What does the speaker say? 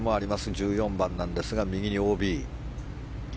１４番なんですが右にＯＢ。